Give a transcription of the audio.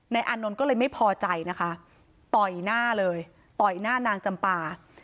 อานนท์ก็เลยไม่พอใจนะคะต่อยหน้าเลยต่อยหน้านางจำปา